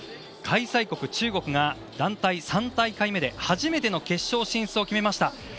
開催国中国が団体３大会目で初めての決勝進出を決めました。